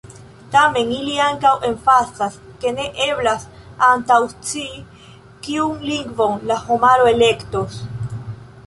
Tamen ili ankaŭ emfazas, ke ne eblas antaŭscii, kiun lingvon la homaro elektos.